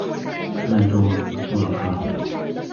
كان جورج مكسور الخاطر.